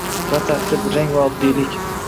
Va tartib, rang va oddiylik.